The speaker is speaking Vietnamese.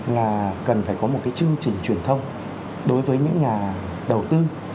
là cần phải có một cái chương trình truyền thông đối với những nhà đầu tư